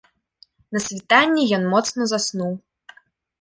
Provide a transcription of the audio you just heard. На світанні ён моцна заснуў.